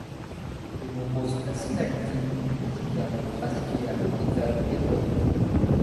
De nombreuses personnalités du monde médical ont pratiqué à l’hôpital Hérold.